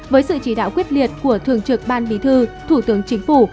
với sự chỉ đạo quyết liệt của thường trực ban bí thư thủ tướng chính phủ